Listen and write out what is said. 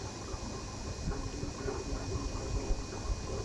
• غونډۍ د اوبو د زیرمو ځای دی.